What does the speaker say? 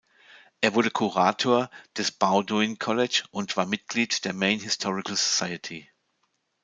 Er wurde Kurator des Bowdoin College und war Mitglied der Maine Historical Society.